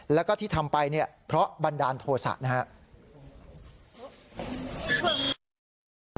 แล้วก็ที่ทำไปเนี่ยเพราะบันดาลโทษะนะครับ